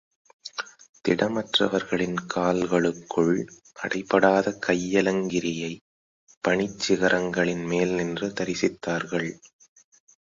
திடமற்றவர்களின் கால்களுக்குள் அடைபடாத கையலங்கிரியைப் பணிச் சிகரங்களின் மேல் நின்று தரிசித்தார்கள்.